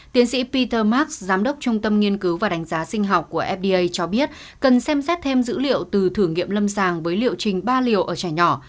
tiến sĩ peter max giám đốc trung tâm nghiên cứu và đánh giá sinh học của fda cho biết cần xem xét thêm dữ liệu từ thử nghiệm lâm sàng với liệu trình ba liều ở trẻ nhỏ